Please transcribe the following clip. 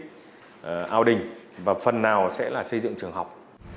ao đình và phần nào sẽ là xây dựng trường học